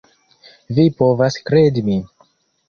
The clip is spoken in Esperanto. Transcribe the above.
Vi povas kredi min.